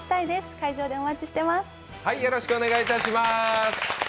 会場でお待ちしてます。